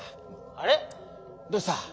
あれ⁉どうした？